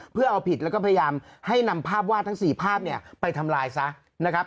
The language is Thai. เพื่อเอาผิดแล้วก็พยายามให้นำภาพวาดทั้ง๔ภาพเนี่ยไปทำลายซะนะครับ